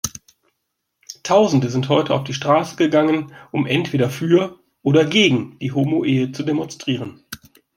Tausende sind heute auf die Straße gegangen, um entweder für oder gegen die Homoehe zu demonstrieren.